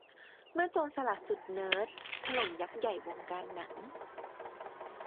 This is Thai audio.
เมื่อโจรสลัดสุดเนิร์ด ถล่มยักษ์ใหญ่วงการหนัง